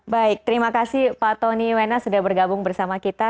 baik terima kasih pak tony wena sudah bergabung bersama kita